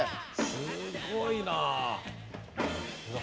すごいな。